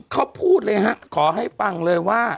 เขาพูดเลยฮะขอให้ฟังเลยว่า